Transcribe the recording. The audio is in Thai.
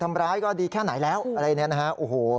ทำร้ายก็ดีแค่ไหนแล้วอะไรเนี่ยนะฮะโอ้โห